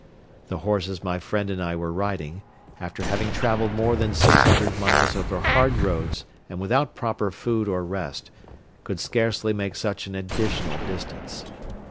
The horses my friend and I were riding, after having traveled more than six hundred miles over hard roads and without proper food or rest, could scarcely make such an additional distance.